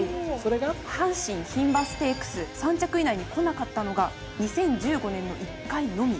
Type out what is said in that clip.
阪神牝馬ステークス３着以内にこなかったのが２０１５年の１回のみ。